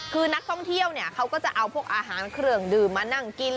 คือนักท่องเที่ยวเนี่ยเขาก็จะเอาพวกอาหารเครื่องดื่มมานั่งกิน